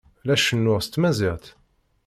La cennuɣ s tmaziɣt.